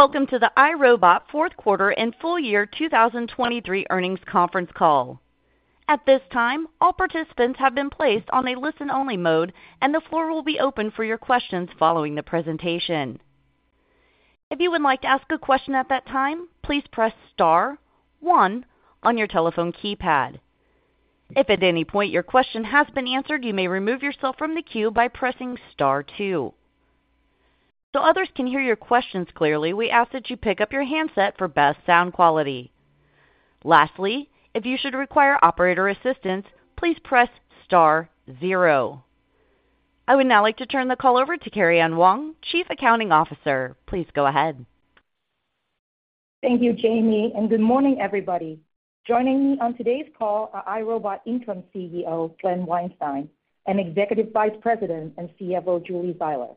Welcome to the iRobot Fourth Quarter and Full Year 2023 Earnings Conference Call. At this time, all participants have been placed on a listen-only mode, and the floor will be open for your questions following the presentation. If you would like to ask a question at that time, please press star one on your telephone keypad. If at any point your question has been answered, you may remove yourself from the queue by pressing star two. So others can hear your questions clearly, we ask that you pick up your handset for best sound quality. Lastly, if you should require operator assistance, please press star zero. I would now like to turn the call over to Karian Wong, Chief Accounting Officer. Please go ahead. Thank you, Jamie, and good morning, everybody. Joining me on today's call are iRobot Interim CEO, Glen Weinstein, and Executive Vice President and CFO, Julie Zeiler.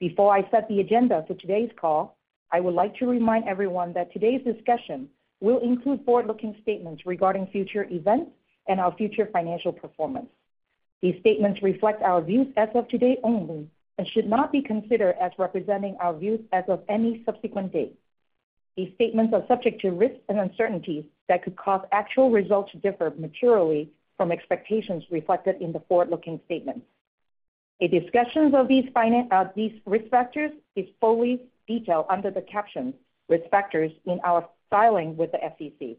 Before I set the agenda for today's call, I would like to remind everyone that today's discussion will include forward-looking statements regarding future events and our future financial performance. These statements reflect our views as of today only, and should not be considered as representing our views as of any subsequent date. These statements are subject to risks and uncertainties that could cause actual results to differ materially from expectations reflected in the forward-looking statements. A discussion of these risk factors is fully detailed under the caption Risk Factors in our filing with the SEC.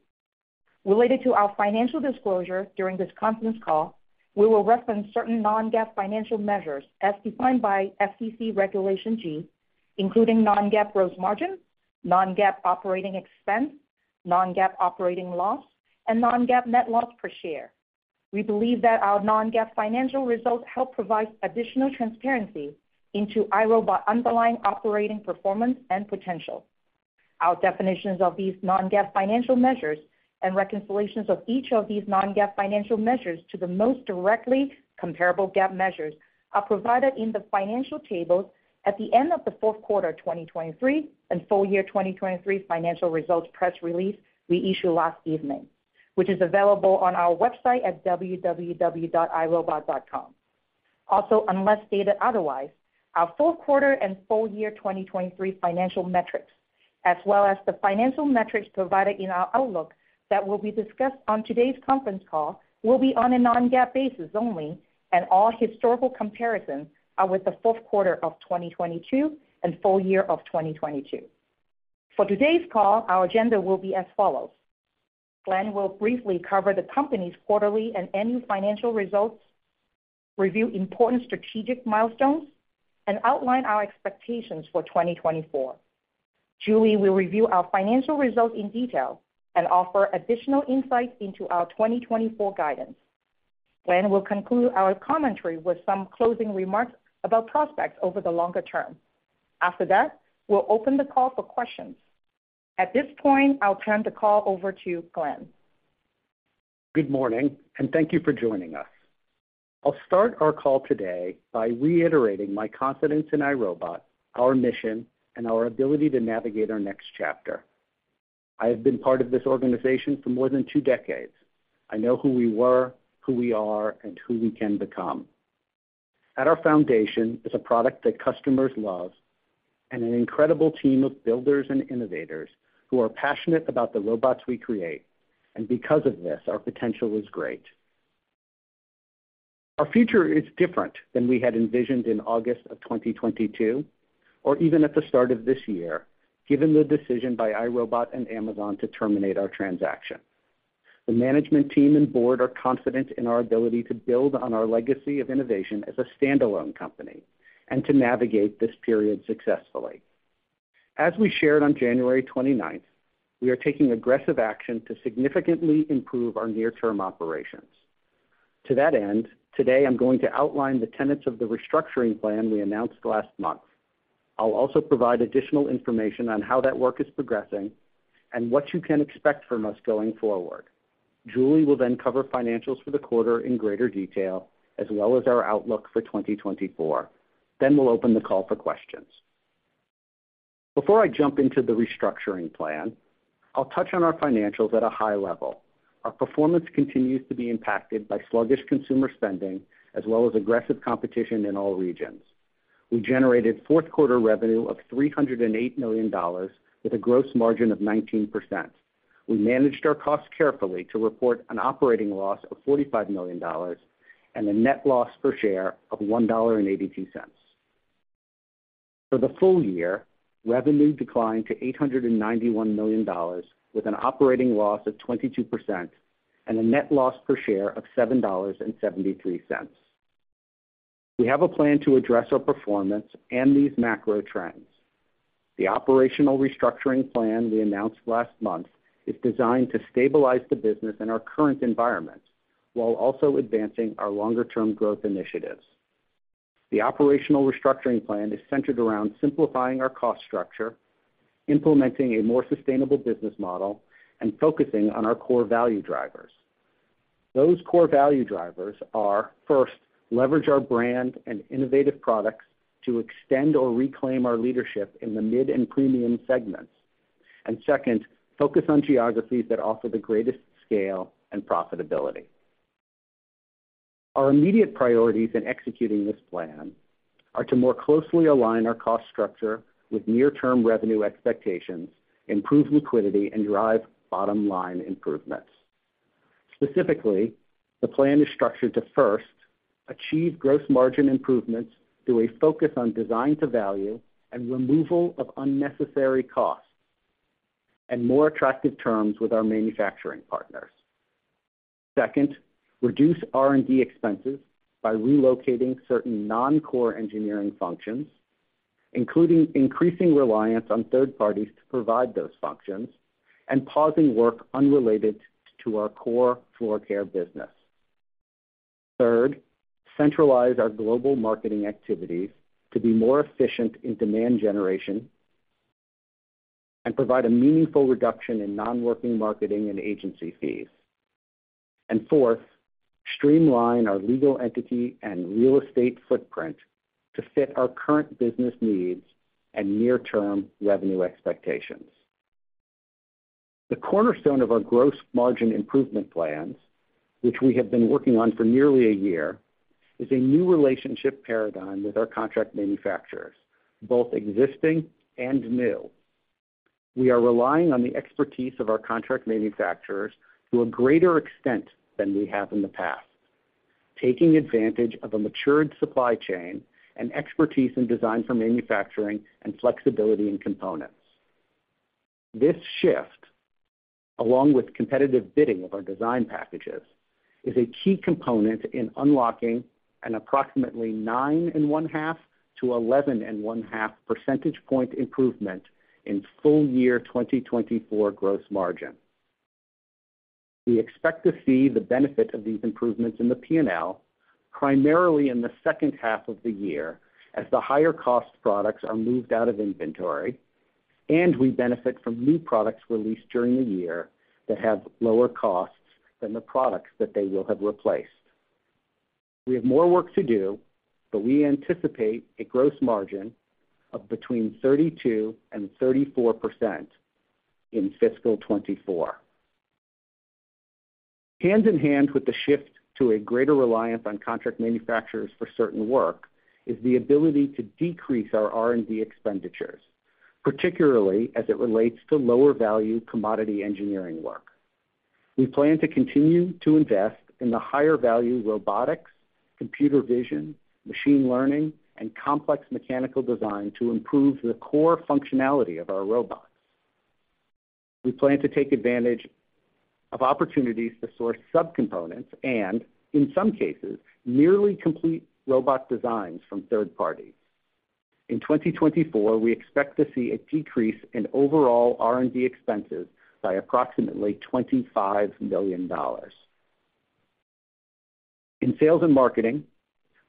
Related to our financial disclosure during this conference call, we will reference certain non-GAAP financial measures as defined by SEC Regulation G, including non-GAAP gross margin, non-GAAP operating expense, non-GAAP operating loss, and non-GAAP net loss per share. We believe that our non-GAAP financial results help provide additional transparency into iRobot's underlying operating performance and potential. Our definitions of these non-GAAP financial measures and reconciliations of each of these non-GAAP financial measures to the most directly comparable GAAP measures are provided in the financial tables at the end of the fourth quarter, 2023 and full year 2023 financial results press release we issued last evening, which is available on our website at www.iRobot.com. Also, unless stated otherwise, our fourth quarter and full year 2023 financial metrics, as well as the financial metrics provided in our outlook that will be discussed on today's conference call, will be on a Non-GAAP basis only, and all historical comparisons are with the fourth quarter of 2022 and full year of 2022. For today's call, our agenda will be as follows: Glen will briefly cover the company's quarterly and annual financial results, review important strategic milestones, and outline our expectations for 2024. Julie will review our financial results in detail and offer additional insights into our 2024 guidance. Glen will conclude our commentary with some closing remarks about prospects over the longer term. After that, we'll open the call for questions. At this point, I'll turn the call over to Glen. Good morning, and thank you for joining us. I'll start our call today by reiterating my confidence in iRobot, our mission, and our ability to navigate our next chapter. I have been part of this organization for more than two decades. I know who we were, who we are, and who we can become. At our foundation is a product that customers love and an incredible team of builders and innovators who are passionate about the robots we create, and because of this, our potential is great. Our future is different than we had envisioned in August of 2022, or even at the start of this year, given the decision by iRobot and Amazon to terminate our transaction. The management team and board are confident in our ability to build on our legacy of innovation as a standalone company and to navigate this period successfully. As we shared on January 29th, we are taking aggressive action to significantly improve our near-term operations. To that end, today, I'm going to outline the tenets of the restructuring plan we announced last month. I'll also provide additional information on how that work is progressing and what you can expect from us going forward. Julie will then cover financials for the quarter in greater detail, as well as our outlook for 2024. Then we'll open the call for questions. Before I jump into the restructuring plan, I'll touch on our financials at a high level. Our performance continues to be impacted by sluggish consumer spending, as well as aggressive competition in all regions. We generated fourth quarter revenue of $308 million with a gross margin of 19%. We managed our costs carefully to report an operating loss of $45 million and a net loss per share of $1.82. For the full year, revenue declined to $891 million, with an operating loss of 22% and a net loss per share of $7.73. We have a plan to address our performance and these macro trends. The operational restructuring plan we announced last month is designed to stabilize the business in our current environment, while also advancing our longer-term growth initiatives. The operational restructuring plan is centered around simplifying our cost structure, implementing a more sustainable business model, and focusing on our core value drivers. Those core value drivers are, first, leverage our brand and innovative products to extend or reclaim our leadership in the mid and premium segments. Second, focus on geographies that offer the greatest scale and profitability. Our immediate priorities in executing this plan are to more closely align our cost structure with near-term revenue expectations, improve liquidity, and drive bottom-line improvements. Specifically, the plan is structured to, first, achieve gross margin improvements through a focus on design to value and removal of unnecessary costs, and more attractive terms with our manufacturing partners. Second, reduce R&D expenses by relocating certain non-core engineering functions, including increasing reliance on third parties to provide those functions, and pausing work unrelated to our core floor care business. Third, centralize our global marketing activities to be more efficient in demand generation and provide a meaningful reduction in non-working marketing and agency fees. Fourth, streamline our legal entity and real estate footprint to fit our current business needs and near-term revenue expectations. The cornerstone of our gross margin improvement plans, which we have been working on for nearly a year, is a new relationship paradigm with our contract manufacturers, both existing and new. We are relying on the expertise of our contract manufacturers to a greater extent than we have in the past, taking advantage of a matured supply chain and expertise in design for manufacturing and flexibility in components. This shift, along with competitive bidding of our design packages, is a key component in unlocking an approximately 9.5-11.5 percentage point improvement in full year 2024 gross margin. We expect to see the benefit of these improvements in the P&L, primarily in the second half of the year, as the higher cost products are moved out of inventory, and we benefit from new products released during the year that have lower costs than the products that they will have replaced. We have more work to do, but we anticipate a gross margin of between 32% and 34% in fiscal 2024. Hand in hand with the shift to a greater reliance on contract manufacturers for certain work, is the ability to decrease our R&D expenditures, particularly as it relates to lower-value commodity engineering work. We plan to continue to invest in the higher-value robotics, computer vision, machine learning, and complex mechanical design to improve the core functionality of our robots. We plan to take advantage of opportunities to source subcomponents and, in some cases, nearly complete robot designs from third parties. In 2024, we expect to see a decrease in overall R&D expenses by approximately $25 million. In sales and marketing,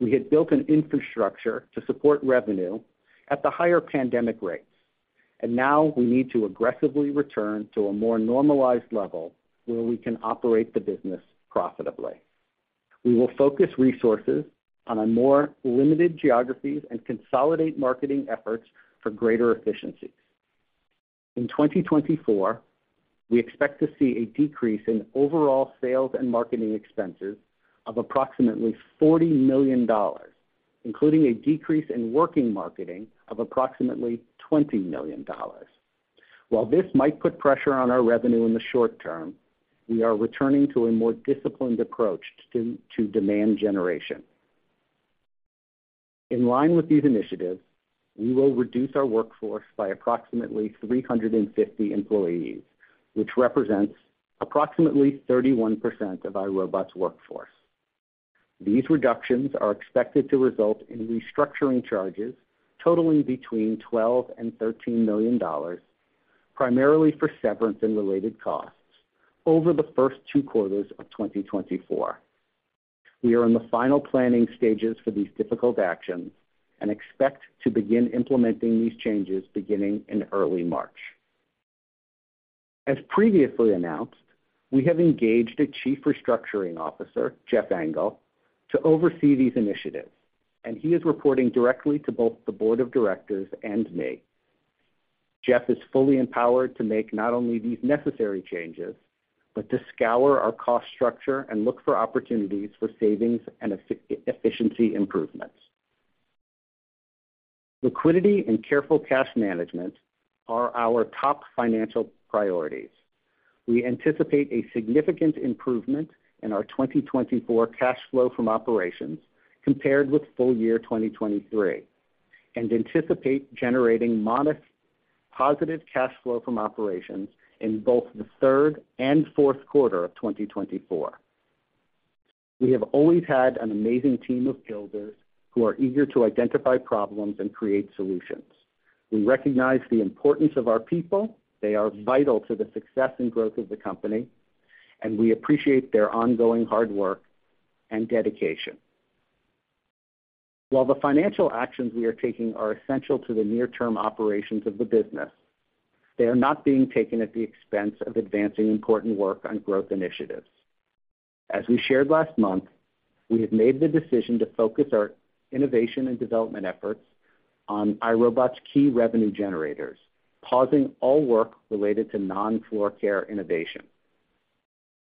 we had built an infrastructure to support revenue at the higher pandemic rates, and now we need to aggressively return to a more normalized level where we can operate the business profitably. We will focus resources on a more limited geographies and consolidate marketing efforts for greater efficiencies. In 2024, we expect to see a decrease in overall sales and marketing expenses of approximately $40 million, including a decrease in working marketing of approximately $20 million. While this might put pressure on our revenue in the short term, we are returning to a more disciplined approach to demand generation. In line with these initiatives, we will reduce our workforce by approximately 350 employees, which represents approximately 31% of iRobot's workforce. These reductions are expected to result in restructuring charges totaling between $12 million and $13 million, primarily for severance and related costs, over the first two quarters of 2024. We are in the final planning stages for these difficult actions and expect to begin implementing these changes beginning in early March. As previously announced, we have engaged a Chief Restructuring Officer, Jeff Engel, to oversee these initiatives, and he is reporting directly to both the board of directors and me. Jeff is fully empowered to make not only these necessary changes, but to scour our cost structure and look for opportunities for savings and efficiency improvements. Liquidity and careful cash management are our top financial priorities. We anticipate a significant improvement in our 2024 cash flow from operations compared with full year 2023, and anticipate generating modest positive cash flow from operations in both the third and fourth quarter of 2024. We have always had an amazing team of builders who are eager to identify problems and create solutions. We recognize the importance of our people. They are vital to the success and growth of the company, and we appreciate their ongoing hard work and dedication. While the financial actions we are taking are essential to the near-term operations of the business, they are not being taken at the expense of advancing important work on growth initiatives. As we shared last month, we have made the decision to focus our innovation and development efforts… on iRobot's key revenue generators, pausing all work related to non-floor care innovation.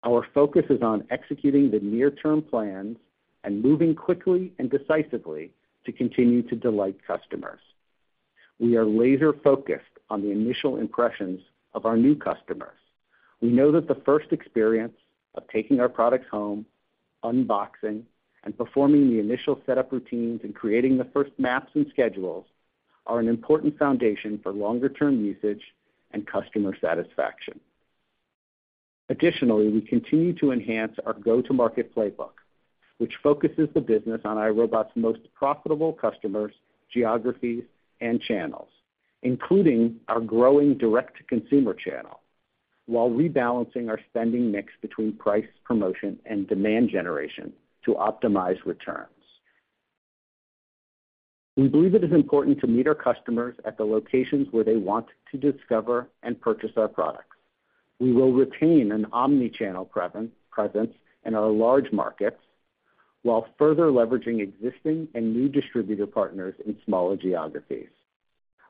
Our focus is on executing the near-term plans and moving quickly and decisively to continue to delight customers. We are laser-focused on the initial impressions of our new customers. We know that the first experience of taking our products home, unboxing, and performing the initial setup routines, and creating the first maps and schedules, are an important foundation for longer-term usage and customer satisfaction. Additionally, we continue to enhance our go-to-market playbook, which focuses the business on iRobot's most profitable customers, geographies, and channels, including our growing direct-to-consumer channel, while rebalancing our spending mix between price, promotion, and demand generation to optimize returns. We believe it is important to meet our customers at the locations where they want to discover and purchase our products. We will retain an omni-channel presence in our large markets, while further leveraging existing and new distributor partners in smaller geographies.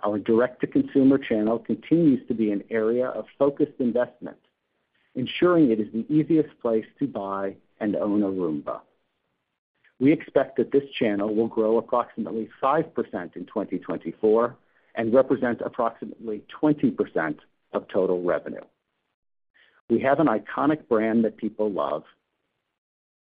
Our direct-to-consumer channel continues to be an area of focused investment, ensuring it is the easiest place to buy and own a Roomba. We expect that this channel will grow approximately 5% in 2024 and represent approximately 20% of total revenue. We have an iconic brand that people love.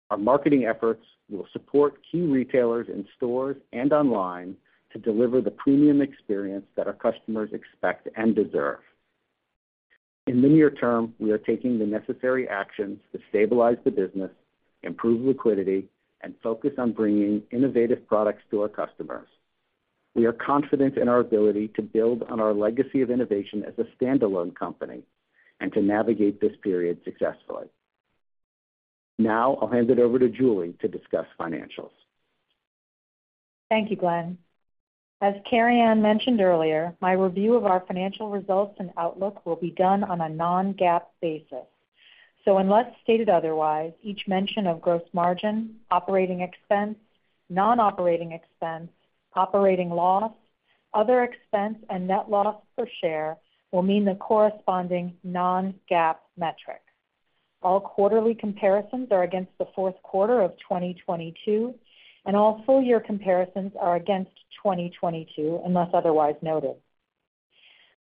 Our marketing efforts will support key retailers in stores and online to deliver the premium experience that our customers expect and deserve. In the near term, we are taking the necessary actions to stabilize the business, improve liquidity, and focus on bringing innovative products to our customers. We are confident in our ability to build on our legacy of innovation as a standalone company and to navigate this period successfully. Now, I'll hand it over to Julie to discuss financials. Thank you, Glen. As Karian mentioned earlier, my review of our financial results and outlook will be done on a non-GAAP basis. So unless stated otherwise, each mention of gross margin, operating expense, non-operating expense, operating loss, other expense, and net loss per share will mean the corresponding non-GAAP metric. All quarterly comparisons are against the fourth quarter of 2022, and all full year comparisons are against 2022, unless otherwise noted.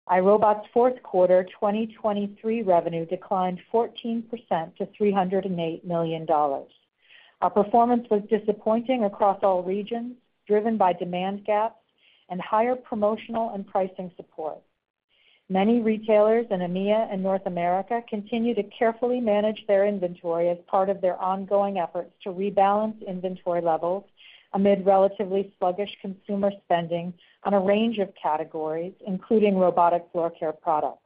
iRobot's fourth quarter 2023 revenue declined 14% to $308 million. Our performance was disappointing across all regions, driven by demand gaps and higher promotional and pricing support. Many retailers in EMEA and North America continue to carefully manage their inventory as part of their ongoing efforts to rebalance inventory levels amid relatively sluggish consumer spending on a range of categories, including robotic floor care products.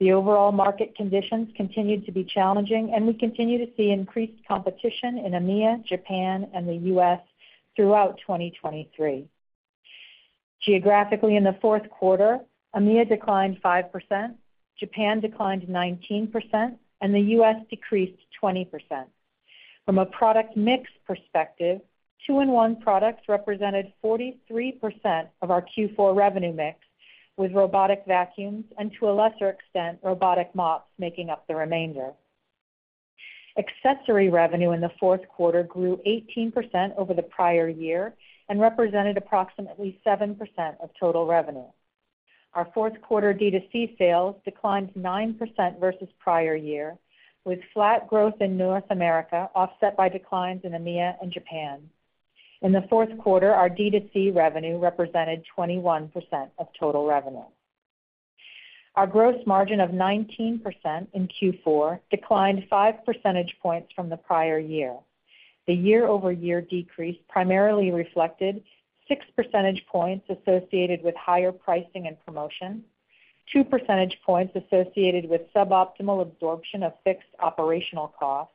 The overall market conditions continued to be challenging, and we continue to see increased competition in EMEA, Japan, and the U.S. throughout 2023. Geographically, in the fourth quarter, EMEA declined 5%, Japan declined 19%, and the U.S. decreased 20%. From a product mix perspective, two-in-one products represented 43% of our Q4 revenue mix, with robotic vacuums, and to a lesser extent, robotic mops making up the remainder. Accessory revenue in the fourth quarter grew 18% over the prior year and represented approximately 7% of total revenue. Our fourth quarter D2C sales declined 9% versus prior year, with flat growth in North America, offset by declines in EMEA and Japan. In the fourth quarter, our D2C revenue represented 21% of total revenue. Our gross margin of 19% in Q4 declined five percentage points from the prior year. The year-over-year decrease primarily reflected 6 percentage points associated with higher pricing and promotion, 2 percentage points associated with suboptimal absorption of fixed operational costs,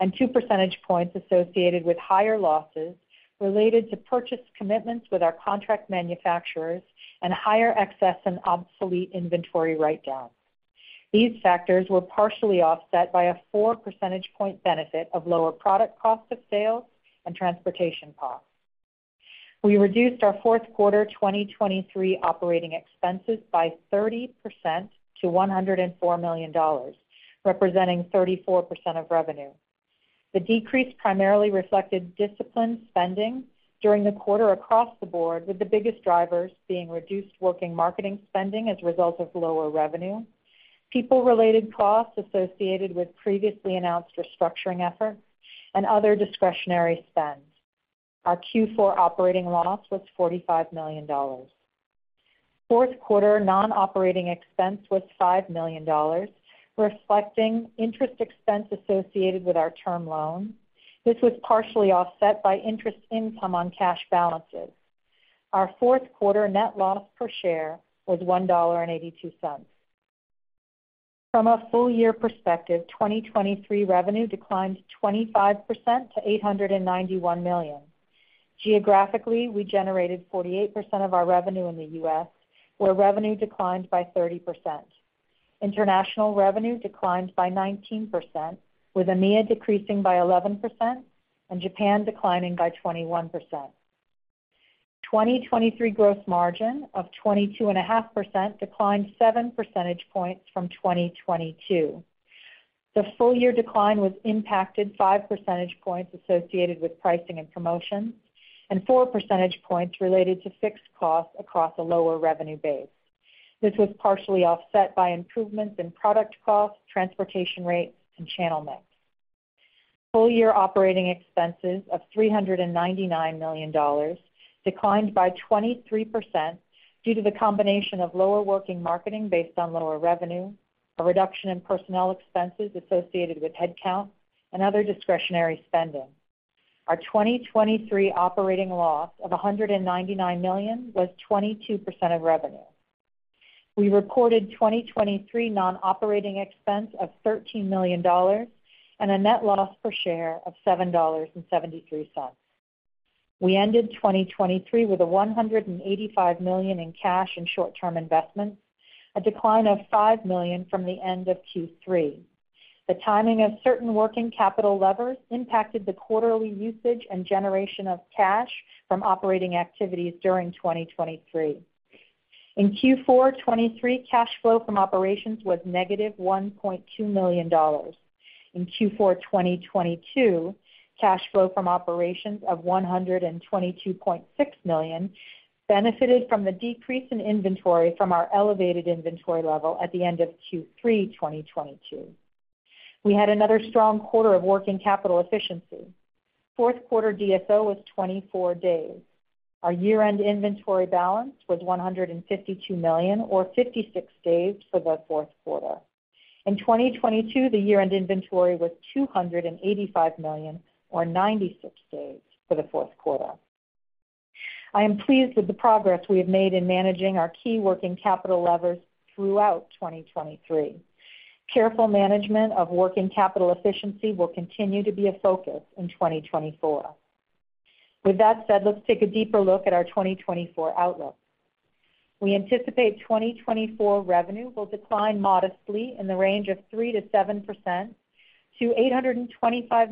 and 2 percentage points associated with higher losses related to purchase commitments with our contract manufacturers and higher excess and obsolete inventory write-down. These factors were partially offset by a 4 percentage point benefit of lower product cost of sales and transportation costs. We reduced our fourth quarter 2023 operating expenses by 30% to $104 million, representing 34% of revenue. The decrease primarily reflected disciplined spending during the quarter across the board, with the biggest drivers being reduced working marketing spending as a result of lower revenue, people-related costs associated with previously announced restructuring efforts, and other discretionary spends. Our Q4 operating loss was $45 million. Fourth quarter non-operating expense was $5 million, reflecting interest expense associated with our term loan. This was partially offset by interest income on cash balances. Our fourth quarter net loss per share was $1.82. From a full year perspective, 2023 revenue declined 25% to $891 million. Geographically, we generated 48% of our revenue in the U.S., where revenue declined by 30%... International revenue declined by 19%, with EMEA decreasing by 11% and Japan declining by 21%. 2023 gross margin of 22.5% declined 7 percentage points from 2022. The full year decline was impacted 5 percentage points associated with pricing and promotions, and 4 percentage points related to fixed costs across a lower revenue base. This was partially offset by improvements in product costs, transportation rates, and channel mix. Full year operating expenses of $399 million declined by 23% due to the combination of lower working marketing based on lower revenue, a reduction in personnel expenses associated with headcount and other discretionary spending. Our 2023 operating loss of $199 million was 22% of revenue. We reported 2023 non-operating expense of $13 million and a net loss per share of $7.73. We ended 2023 with $185 million in cash and short-term investments, a decline of $5 million from the end of Q3. The timing of certain working capital levers impacted the quarterly usage and generation of cash from operating activities during 2023. In Q4 2023, cash flow from operations was negative $1.2 million. In Q4 2022, cash flow from operations of $122.6 million benefited from the decrease in inventory from our elevated inventory level at the end of Q3 2022. We had another strong quarter of working capital efficiency. Fourth quarter DSO was 24 days. Our year-end inventory balance was $152 million, or 56 days for the fourth quarter. In 2022, the year-end inventory was $285 million, or 96 days for the fourth quarter. I am pleased with the progress we have made in managing our key working capital levers throughout 2023. Careful management of working capital efficiency will continue to be a focus in 2024. With that said, let's take a deeper look at our 2024 outlook. We anticipate 2024 revenue will decline modestly in the range of 3%-7% to $825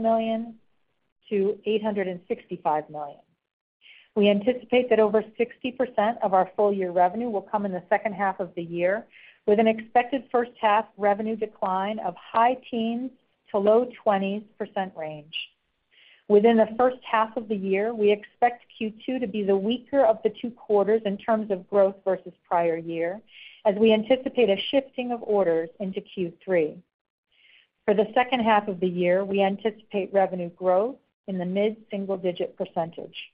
million-$865 million. We anticipate that over 60% of our full year revenue will come in the second half of the year, with an expected first half revenue decline of high teens to low 20s% range. Within the first half of the year, we expect Q2 to be the weaker of the two quarters in terms of growth versus prior year, as we anticipate a shifting of orders into Q3. For the second half of the year, we anticipate revenue growth in the mid-single-digit percentage.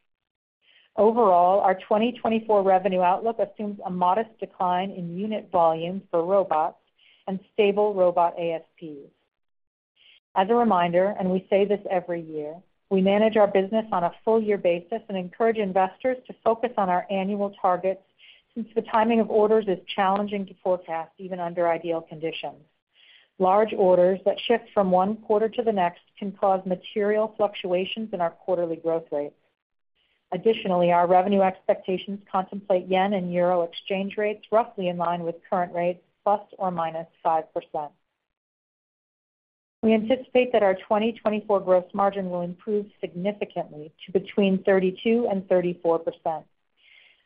Overall, our 2024 revenue outlook assumes a modest decline in unit volume for robots and stable robot ASPs. As a reminder, and we say this every year, we manage our business on a full year basis and encourage investors to focus on our annual targets since the timing of orders is challenging to forecast, even under ideal conditions. Large orders that shift from one quarter to the next can cause material fluctuations in our quarterly growth rate. Additionally, our revenue expectations contemplate yen and euro exchange rates roughly in line with current rates, ±5%. We anticipate that our 2024 gross margin will improve significantly to between 32% and 34%.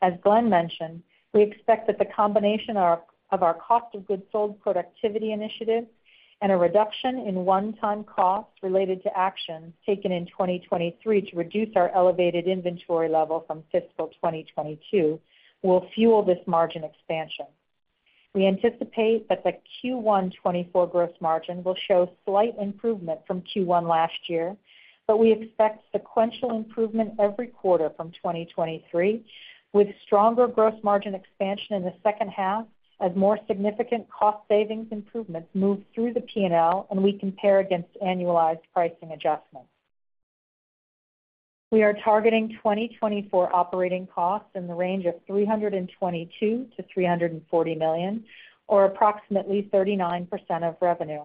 As Glen mentioned, we expect that the combination of our cost of goods sold productivity initiatives and a reduction in one-time costs related to actions taken in 2023 to reduce our elevated inventory level from fiscal 2022, will fuel this margin expansion. We anticipate that the Q1 2024 gross margin will show slight improvement from Q1 last year, but we expect sequential improvement every quarter from 2023, with stronger gross margin expansion in the second half, as more significant cost savings improvements move through the P&L, and we compare against annualized pricing adjustments. We are targeting 2024 operating costs in the range of $322 million-$340 million, or approximately 39% of revenue.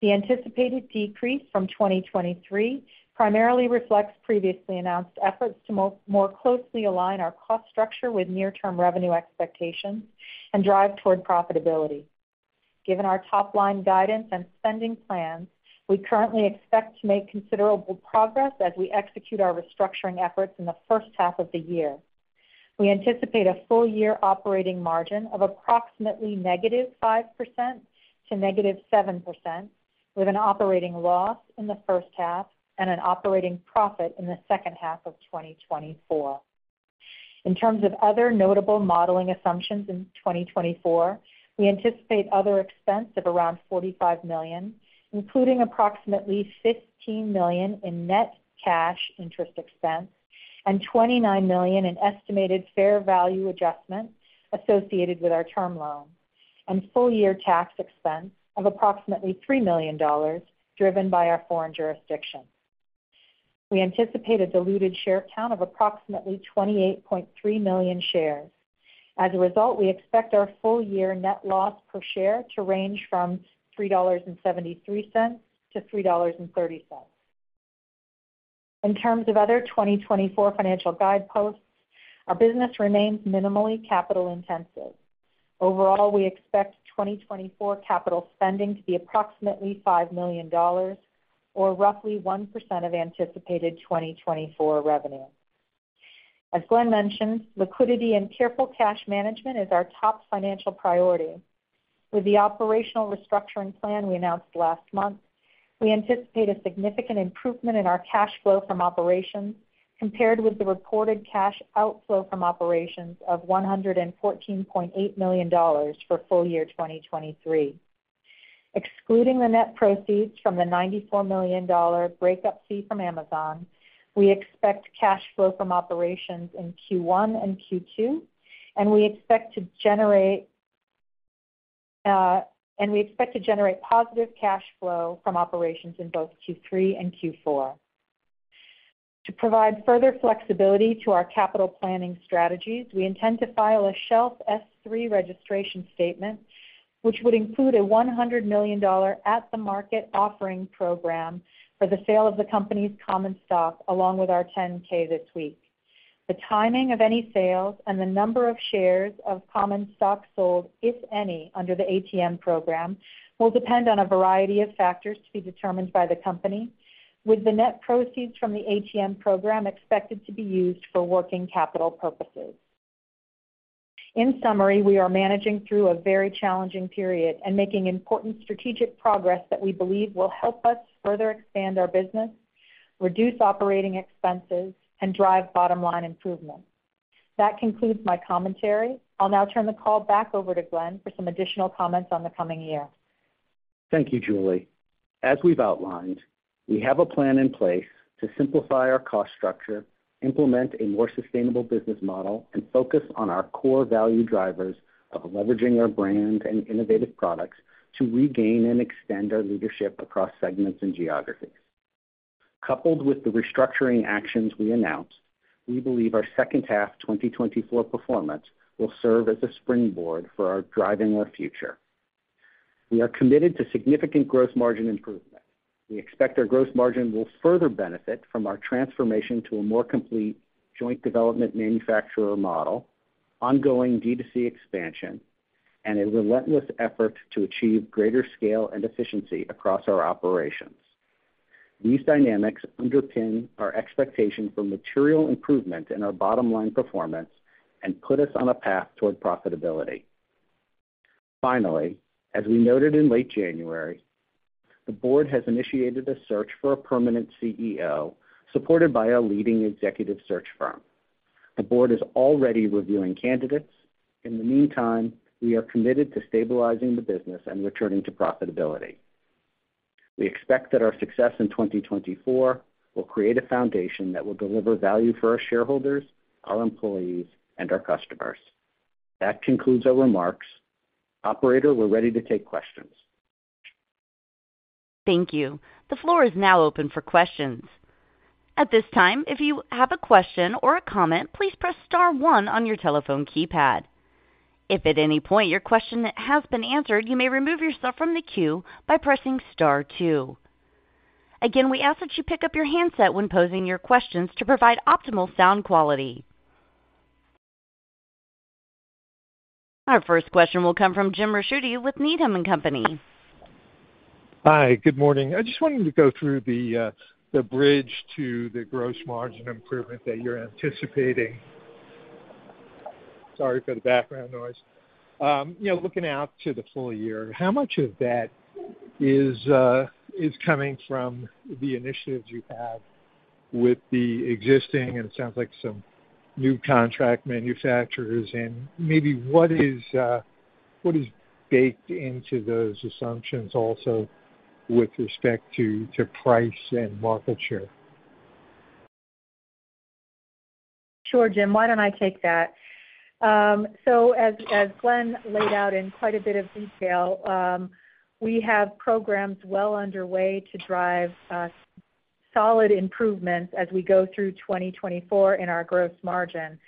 The anticipated decrease from 2023 primarily reflects previously announced efforts to more closely align our cost structure with near-term revenue expectations and drive toward profitability. Given our top-line guidance and spending plans, we currently expect to make considerable progress as we execute our restructuring efforts in the first half of the year. We anticipate a full-year operating margin of approximately -5% to -7%, with an operating loss in the first half and an operating profit in the second half of 2024. In terms of other notable modeling assumptions in 2024, we anticipate other expense of around $45 million, including approximately $15 million in net cash interest expense and $29 million in estimated fair value adjustments associated with our term loan, and full-year tax expense of approximately $3 million, driven by our foreign jurisdictions. We anticipate a diluted share count of approximately 28.3 million shares. As a result, we expect our full-year net loss per share to range from $3.73-$3.30.... In terms of other 2024 financial guideposts, our business remains minimally capital intensive. Overall, we expect 2024 capital spending to be approximately $5 million, or roughly 1% of anticipated 2024 revenue. As Glen mentioned, liquidity and careful cash management is our top financial priority. With the operational restructuring plan we announced last month, we anticipate a significant improvement in our cash flow from operations compared with the reported cash outflow from operations of $114.8 million for full year 2023. Excluding the net proceeds from the $94 million breakup fee from Amazon, we expect cash flow from operations in Q1 and Q2, and we expect to generate, and we expect to generate positive cash flow from operations in both Q3 and Q4. To provide further flexibility to our capital planning strategies, we intend to file a Shelf S-3 registration statement, which would include a $100 million at the market offering program for the sale of the company's common stock, along with our 10-K this week. The timing of any sales and the number of shares of common stock sold, if any, under the ATM program, will depend on a variety of factors to be determined by the company, with the net proceeds from the ATM program expected to be used for working capital purposes. In summary, we are managing through a very challenging period and making important strategic progress that we believe will help us further expand our business, reduce operating expenses and drive bottom line improvement. That concludes my commentary. I'll now turn the call back over to Glen for some additional comments on the coming year. Thank you, Julie. As we've outlined, we have a plan in place to simplify our cost structure, implement a more sustainable business model, and focus on our core value drivers of leveraging our brand and innovative products to regain and extend our leadership across segments and geographies. Coupled with the restructuring actions we announced, we believe our second half 2024 performance will serve as a springboard for our driving our future. We are committed to significant gross margin improvement. We expect our gross margin will further benefit from our transformation to a more complete joint development manufacturer model, ongoing D2C expansion, and a relentless effort to achieve greater scale and efficiency across our operations. These dynamics underpin our expectation for material improvement in our bottom line performance and put us on a path toward profitability. Finally, as we noted in late January, the board has initiated a search for a permanent CEO, supported by a leading executive search firm. The board is already reviewing candidates. In the meantime, we are committed to stabilizing the business and returning to profitability. We expect that our success in 2024 will create a foundation that will deliver value for our shareholders, our employees, and our customers. That concludes our remarks. Operator, we're ready to take questions. Thank you. The floor is now open for questions. At this time, if you have a question or a comment, please press star one on your telephone keypad. If at any point your question has been answered, you may remove yourself from the queue by pressing star two. Again, we ask that you pick up your handset when posing your questions to provide optimal sound quality. Our first question will come from Jim Ricchiuti with Needham & Company. Hi, good morning. I just wanted to go through the bridge to the gross margin improvement that you're anticipating. Sorry for the background noise. You know, looking out to the full year, how much of that is coming from the initiatives you have with the existing and it sounds like some new contract manufacturers, and maybe what is baked into those assumptions also with respect to price and market share? Sure, Jim, why don't I take that? So as Glen laid out in quite a bit of detail, we have programs well underway to drive solid improvements as we go through 2024 in our gross margin.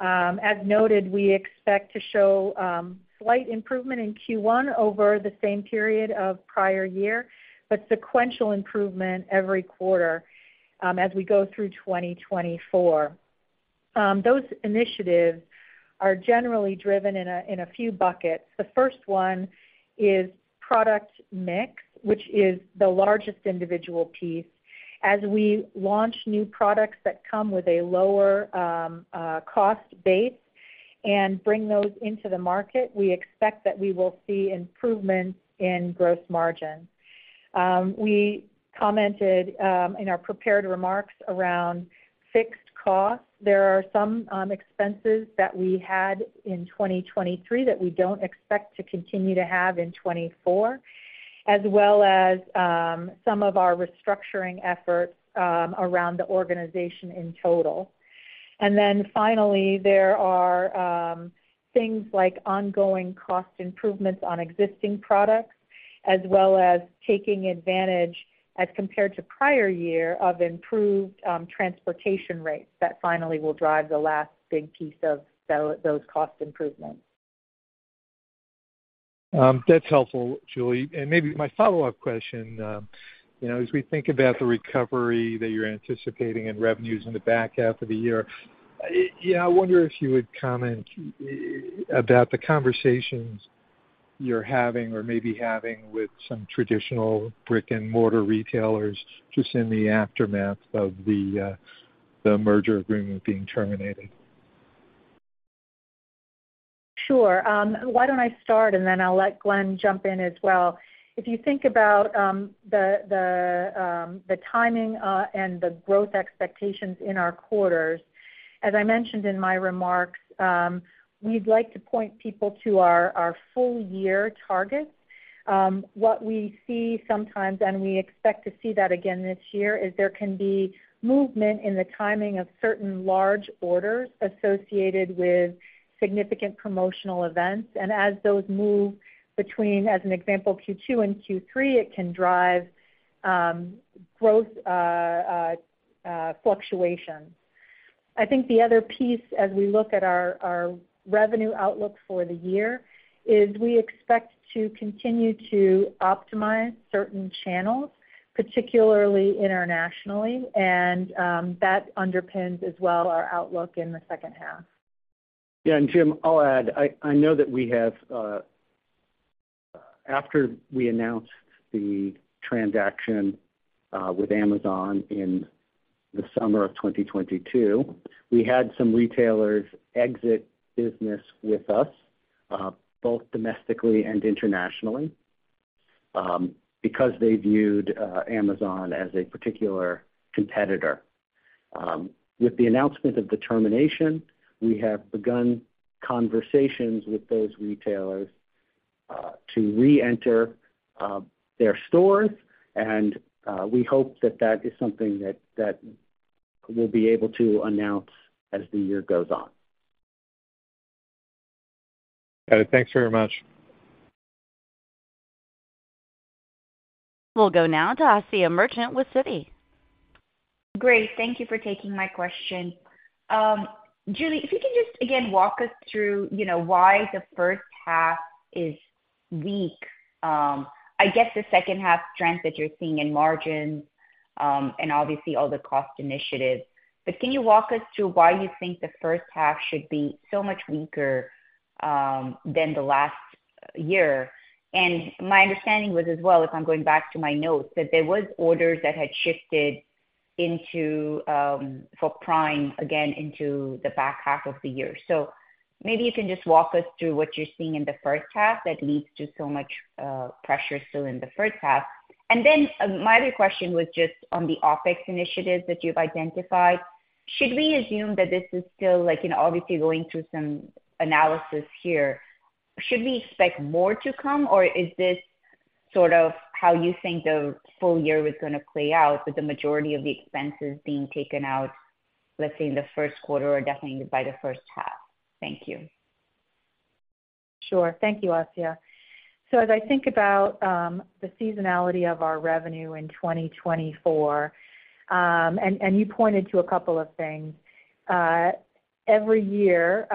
As noted, we expect to show slight improvement in Q1 over the same period of prior year, but sequential improvement every quarter as we go through 2024. Those initiatives are generally driven in a few buckets. The first one is product mix, which is the largest individual piece. As we launch new products that come with a lower cost base and bring those into the market, we expect that we will see improvements in gross margin. We commented in our prepared remarks around fixed costs. There are some expenses that we had in 2023 that we don't expect to continue to have in 2024, as well as some of our restructuring efforts around the organization in total. Then finally, there are things like ongoing cost improvements on existing products, as well as taking advantage, as compared to prior year, of improved transportation rates. That finally will drive the last big piece of those cost improvements.... That's helpful, Julie. Maybe my follow-up question, you know, as we think about the recovery that you're anticipating in revenues in the back half of the year, yeah, I wonder if you would comment about the conversations you're having or maybe having with some traditional brick-and-mortar retailers just in the aftermath of the merger agreement being terminated. Sure. Why don't I start, and then I'll let Glen jump in as well. If you think about the timing and the growth expectations in our quarters, as I mentioned in my remarks, we'd like to point people to our full year targets. What we see sometimes, and we expect to see that again this year, is there can be movement in the timing of certain large orders associated with significant promotional events, and as those move between, as an example, Q2 and Q3, it can drive growth fluctuations. I think the other piece, as we look at our revenue outlook for the year, is we expect to continue to optimize certain channels, particularly internationally, and that underpins as well our outlook in the second half. Yeah, and Jim, I'll add, I know that we have, after we announced the transaction with Amazon in the summer of 2022, we had some retailers exit business with us, both domestically and internationally, because they viewed Amazon as a particular competitor. With the announcement of the termination, we have begun conversations with those retailers to reenter their stores, and we hope that that is something that we'll be able to announce as the year goes on. Got it. Thanks very much. We'll go now to Asiya Merchant with Citi. Great. Thank you for taking my question. Julie, if you can just, again, walk us through, you know, why the first half is weak. I get the second half strength that you're seeing in margins, and obviously all the cost initiatives, but can you walk us through why you think the first half should be so much weaker than the last year? And my understanding was as well, if I'm going back to my notes, that there was orders that had shifted into, for Prime again into the back half of the year. So maybe you can just walk us through what you're seeing in the first half that leads to so much pressure still in the first half. And then, my other question was just on the OpEx initiatives that you've identified. Should we assume that this is still, like, you know, obviously, going through some analysis here, should we expect more to come, or is this sort of how you think the full year is gonna play out, with the majority of the expenses being taken out, let's say, in the first quarter or definitely by the first half? Thank you. Sure. Thank you, Asiya. So as I think about the seasonality of our revenue in 2024, and you pointed to a couple of things. Every year,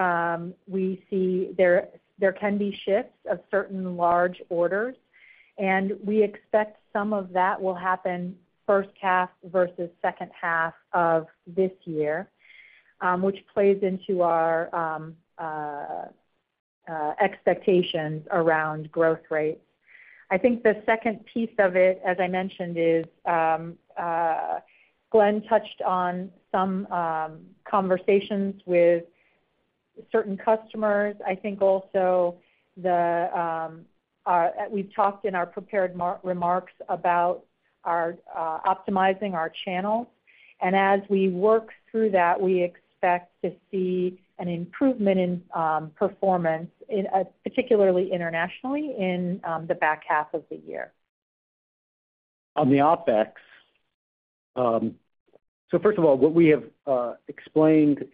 we see that there can be shifts of certain large orders, and we expect some of that will happen first half versus second half of this year, which plays into our expectations around growth rates. I think the second piece of it, as I mentioned, is Glen touched on some conversations with certain customers. I think also we've talked in our prepared remarks about our optimizing our channels, and as we work through that, we expect to see an improvement in performance, particularly internationally, in the back half of the year. On the OpEx, so first of all, what we have explained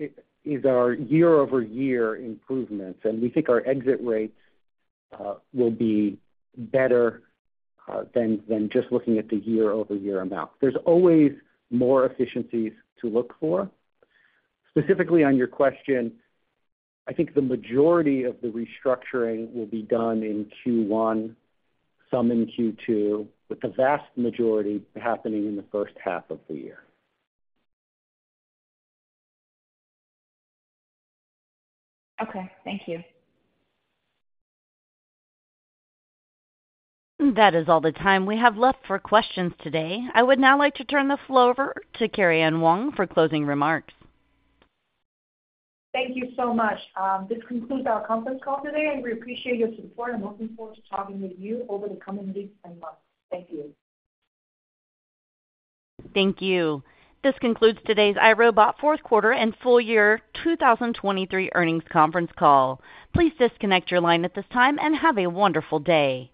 is our year-over-year improvements, and we think our exit rates will be better than just looking at the year-over-year amount. There's always more efficiencies to look for. Specifically on your question, I think the majority of the restructuring will be done in Q1, some in Q2, with the vast majority happening in the first half of the year. Okay, thank you. That is all the time we have left for questions today. I would now like to turn the floor over to Karian Wong for closing remarks. Thank you so much. This concludes our conference call today, and we appreciate your support and looking forward to talking with you over the coming weeks and months. Thank you. Thank you. This concludes today's iRobot fourth quarter and full year 2023 earnings conference call. Please disconnect your line at this time, and have a wonderful day.